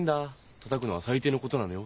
「たたくのは最低のことなのよ。